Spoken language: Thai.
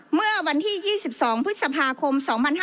เมื่อวันที่๒๒พฤษภาคม๒๕๕๙